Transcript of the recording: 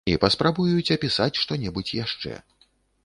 І паспрабуюць апісаць што-небудзь яшчэ.